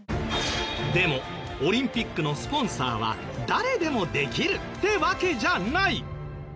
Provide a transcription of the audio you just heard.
でもオリンピックのスポンサーは誰でもできるってわけじゃない！